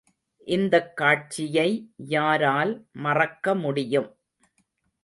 இந்தக் காட்சியை யாரால் மறக்கமுடியும்.